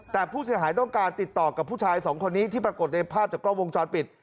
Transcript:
แต่ผู้เสียหายต้องการติดต่อกับผู้ชายสองคนนี้ที่ปรากฏในภาพจากกล้องวงจรปิด